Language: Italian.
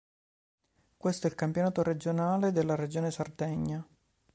Questo è il campionato regionale della regione Sardegna.